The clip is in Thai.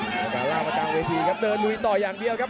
แล้วก็ล่ามากลางเวทีครับเดินอยู่อีกต่ออย่างเดียวครับ